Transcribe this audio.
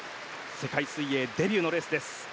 世界水泳デビューのレースです。